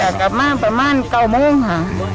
จากกลับมาประมาณเก้าโมงค่ะ